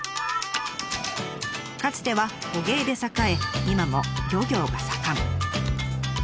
かつては捕鯨で栄え今も漁業が盛ん。